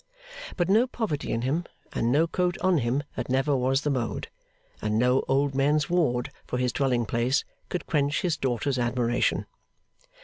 But no poverty in him, and no coat on him that never was the mode, and no Old Men's Ward for his dwelling place, could quench his daughter's admiration.